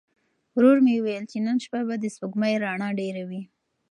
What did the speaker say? ورور مې وویل چې نن شپه به د سپوږمۍ رڼا ډېره وي.